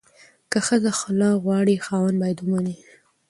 که ښځه خلع غواړي، خاوند باید ومني.